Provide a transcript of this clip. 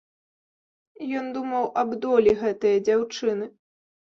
Ён думаў аб долі гэтае дзяўчыны.